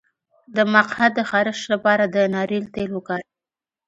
د مقعد د خارش لپاره د ناریل تېل وکاروئ